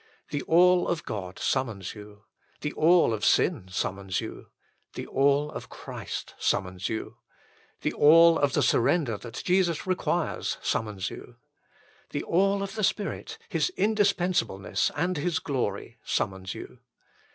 The All of God summons you. The All of sin summons you. The All of Christ summons you. The All of the surrender that Jesus requires summons you. The All of the Spirit, His indispensableness and His glory, summons you.